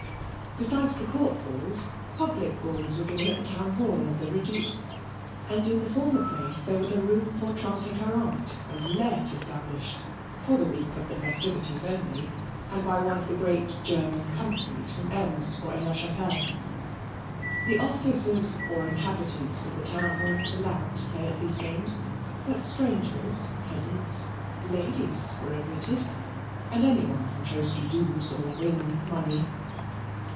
Besides the Court balls, public balls were given at the Town Hall and the Redoute, and in the former place there was a room for trente et quarante and roulette established, for the week of the festivities only, and by one of the great German companies from Ems or Aix la Chapelle. The officers or inhabitants of the town were not allowed to play at these games, but strangers, peasants, ladies were admitted, and any one who chose to lose or win money.